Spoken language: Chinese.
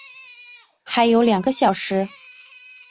还有两个小时